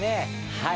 はい。